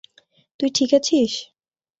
তুই ঠিক আছিস?